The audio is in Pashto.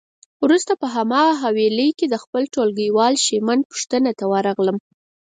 وروسته په هماغه حویلی کې د خپل ټولګیوال شېمن پوښتنه ته ورغلم.